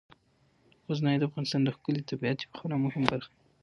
غزني د افغانستان د ښکلي طبیعت یوه خورا مهمه برخه ده.